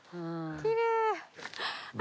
きれい！